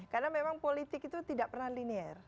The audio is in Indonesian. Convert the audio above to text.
karena memang politik itu tidak pernah linier